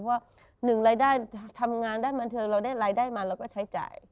เพราะว่าหนึ่งรายได้ทำงานด้านบันเทิงเราได้รายได้มาเราก็ใช้จ่าย